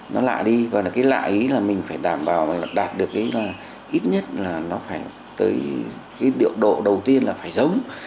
nó lạ đi và cái lạ ý là mình phải đảm bảo đạt được ít nhất là nó phải tới cái điều độ đầu tiên là phải giống